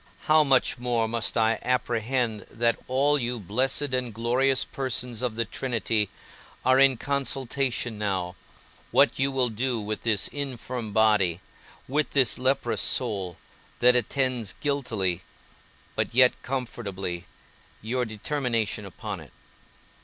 How much more must I apprehend that all you blessed and glorious persons of the Trinity are in consultation now, what you will do with this infirm body, with this leprous soul, that attends guiltily, but yet comfortably, your determination upon it.